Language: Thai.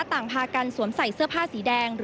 ต่างพากันสวมใส่เสื้อผ้าสีแดง